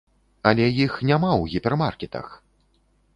Але іх няма ў гіпермаркетах!